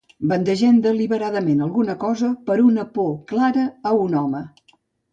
Bandegem deliberadament alguna cosa per una por clara a un home.